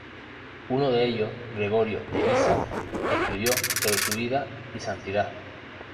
Uno de ellos, Gregorio de Nisa, escribió sobre su vida y santidad.